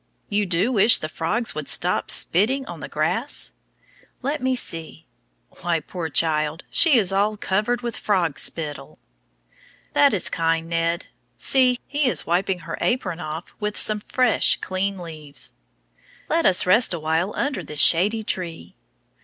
You do wish the frogs would stop spitting on the grass? Let me see; why, poor child, she is all covered with frog spittle. That is kind, Ned. See, he is wiping her apron off with some fresh, clean leaves. Let us rest awhile under this shady tree.